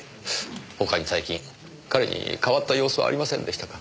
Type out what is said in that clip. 他に最近彼に変わった様子はありませんでしたか？